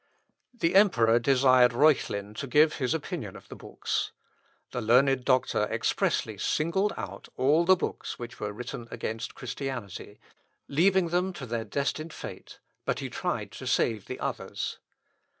The emperor desired Reuchlin to give his opinion of the books. The learned doctor expressly singled out all the books which were written against Christianity, leaving them to their destined fate, but he tried to save the others.